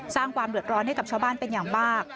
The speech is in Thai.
สร้างความเดือดร้อนให้กับชาวบ้านเป็นอย่างมาก